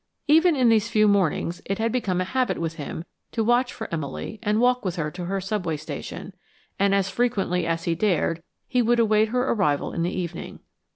Even in these few mornings it had become a habit with him to watch for Emily and walk with her to her subway station, and as frequently as he dared, he would await her arrival in the evening.